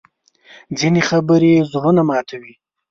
ځینې خبرې زړونه ماتوي